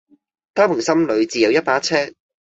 他們心裏自有一把尺